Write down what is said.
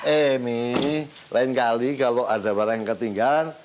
emi lain kali kalau ada barang yang ketinggalan